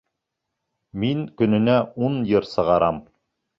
Мин көнөнә ун йыр сығарам.